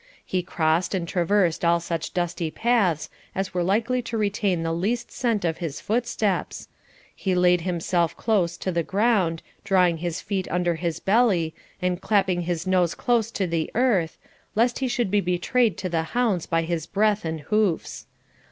He crossed and traversed all such dusty paths as were likely to retain the least scent of his footsteps; he laid himself close to the ground, drawing his feet under his belly, and clapping his nose close to the earth, lest he should be betrayed to the hounds by his breath and hoofs.